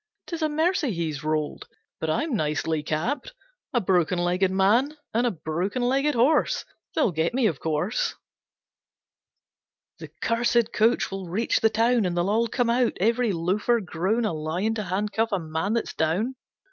'Tis a mercy he's rolled, but I'm nicely capped. A broken legged man and a broken legged horse! They'll get me, of course. The cursed coach will reach the town And they'll all come out, every loafer grown A lion to handcuff a man that's down.